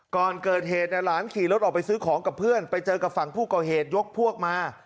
ก่อนเกิดเหตุหลานขี่รถออกไปซื้อของกับเพื่อนไปเจอกับฝั่งผู้ก่อเหตุยกพวกมา